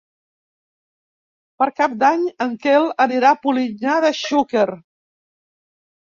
Per Cap d'Any en Quel anirà a Polinyà de Xúquer.